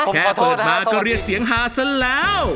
ค่าเปิดมาก็เรียร์เสียงฮาสันแล้ว